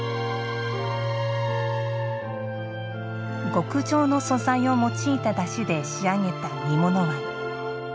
極上の素材を用いただしで仕上げた煮物わん。